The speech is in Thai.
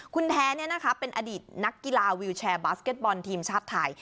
คุณแท้เป็นอดีตนักกีฬาวิวแชร์บาสเก็ตบอลทีมชาติไทย